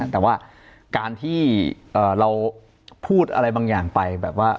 แต่ว่าการที่เราพูดอะไรบางอย่างไปแบบว่า